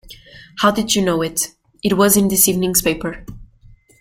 How did you know it? It was in this evening's paper.